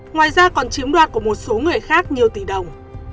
ngoài ra còn chiếm đoạt của một số người khác nhiều tỷ đồng